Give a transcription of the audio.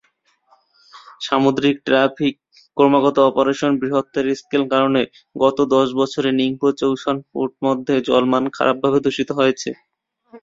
সামুদ্রিক ট্রাফিক ক্রমাগত অপারেশন বৃহত্তর স্কেল কারণে, গত দশ বছরে নিংপো-চৌশান পোর্ট মধ্যে জল মানের খারাপভাবে দূষিত হয়েছে।